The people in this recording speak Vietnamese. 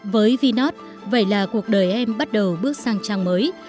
với vinod vậy là cuộc đời em bắt đầu bước sang trang mới